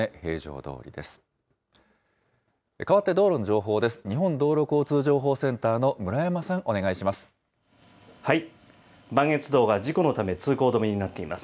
日本道路交通情報センターの村山さん、お願いします。